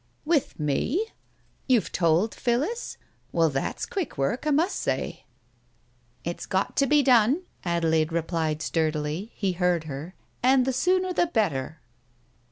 "With me? You've told Phillis? Well, that's quick work, I must say !" "It's got to be done," Adelaide replied sturdily, he heard her. "And the sooner the better."